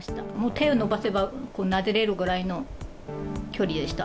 手を伸ばせばなでれるぐらいの距離でした。